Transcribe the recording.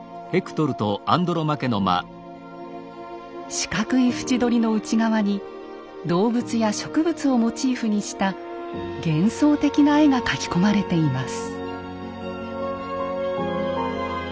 四角い縁取りの内側に動物や植物をモチーフにした幻想的な絵が描き込まれています。